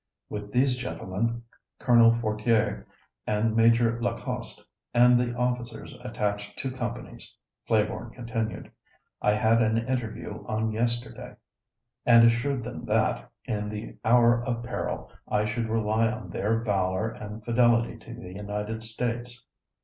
"With these gentlemen, Colonel Fortier and Major Lacoste, and the officers attached to companies," Claiborne continued, "I had an interview on yesterday, and assured them that, in the hour of peril, I should rely on their valor and fidelity to the United States.